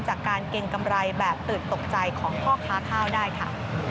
จากการเก็งกำไรแบบตื่นตกใจของข้าวได้ค่ะ